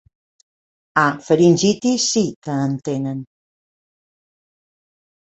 Ah, faringitis sí que en tenen.